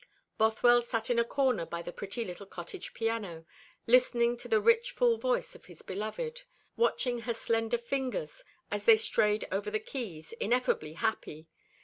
Bothwell sat in a corner by the pretty little cottage piano, listening to the rich full voice of his beloved, watching her slender fingers as they strayed over the keys, ineffably happy.